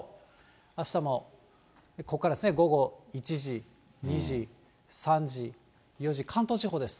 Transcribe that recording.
あしたもここからですね、午後１時、２時、３時、４時、関東地方です。